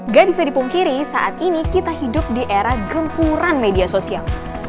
gak bisa dipungkiri saat ini kita hidup di era gempuran media sosial